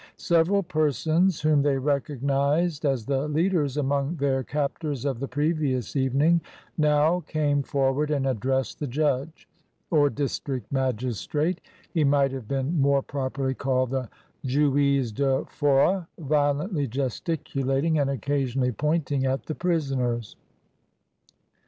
Several persons whom they recognised as the leaders among their captors of the previous evening, now came forward and addressed the judge, or district magistrate, he might have been more properly called the Juiz da Fora, violently gesticulating, and occasionally pointing at the prisoners.